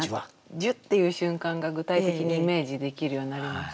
「ジュッ」っていう瞬間が具体的にイメージできるようになりましたね。